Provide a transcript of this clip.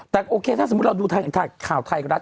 แต่โอเคถ้าสมมุติเราดูทางข่าวไทยรัฐ